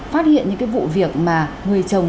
phát hiện những cái vụ việc mà người chồng